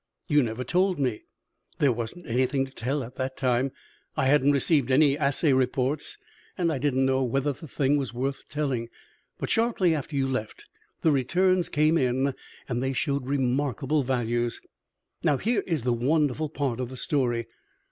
"You never told me." "There wasn't anything to tell at that time I hadn't received any assay reports, and I didn't know whether the thing was worth telling; but shortly after you left the returns came in, and they showed remarkable values. Now here is the wonderful part of the story.